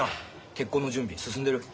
結婚の準備進んでる？